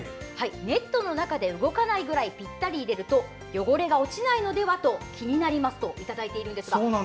ネットの中で動かないくらいぴったり入れると汚れが落ちないのではと気になりますといただいているんです。